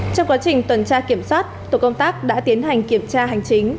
trong quá trình tuần tra kiểm soát tổ công tác đã tiến hành kiểm tra hành chính